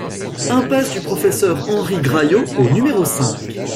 Impasse du Professeur Henri Graillot au numéro cinq